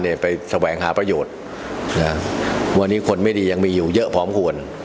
เนี่ยไปสแหวงหาประโยชน์อ่ะวันนี้คนไม่ดีอย่างมีอยู่เยอะผอมกวน